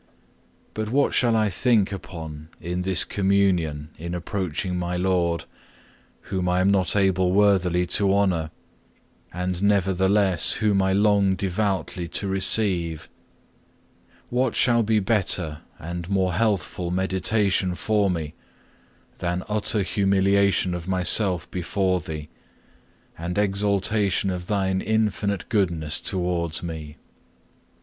But what shall I think upon in this Communion in approaching my Lord, whom I am not able worthily to honour, and nevertheless whom I long devoutly to receive? What shall be better and more healthful meditation for me, than utter humiliation of myself before Thee, and exaltation of Thine infinite goodness towards me?